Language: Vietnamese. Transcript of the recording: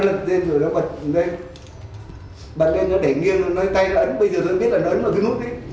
nó lật lên rồi nó bật lên bật lên nó để nghiêng rồi tay nó ấn bây giờ tôi biết là nó ấn vào thứ úp đấy